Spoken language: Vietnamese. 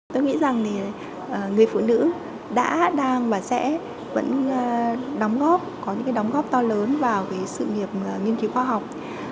tôi nghĩ rằng người phụ nữ đã đang và sẽ vẫn có những đóng góp to lớn vào sự nghiệp nghiên cứu khoa học